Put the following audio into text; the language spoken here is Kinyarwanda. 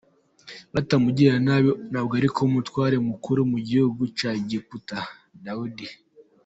batamugirira nabi ntabwo yarikuba umutware mukuru mu gihugu cya Egiputa, Dawidi.